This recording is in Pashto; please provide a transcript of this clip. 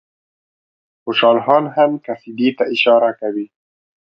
خوشحال خان هغه قصیدې ته اشاره کوي.